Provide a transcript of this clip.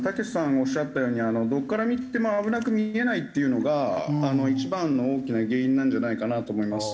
おっしゃったようにどこから見ても危なく見えないっていうのが一番の大きな原因なんじゃないかなと思います。